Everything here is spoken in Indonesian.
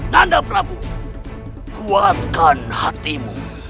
nanda prabu kuatkan hatimu